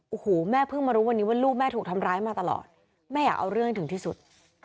โอ้โหแม่เพิ่งมารู้วันนี้ว่าลูกแม่ถูกทำร้ายมาตลอดแม่อยากเอาเรื่องให้ถึงที่สุด